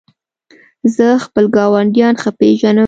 زه خپل ګاونډیان ښه پېژنم.